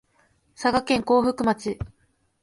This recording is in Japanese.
佐賀県江北町